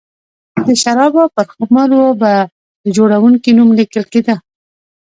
د شرابو پر خُمر و به د جوړوونکي نوم لیکل کېده